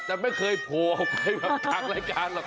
แต่ไม่เคยโผล่ออกไปแบบทางรายการหรอก